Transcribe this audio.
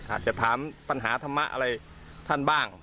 อาจจะถามปัญหาธรรมะอะไรท่านบ้าง